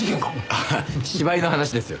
ああ芝居の話ですよ。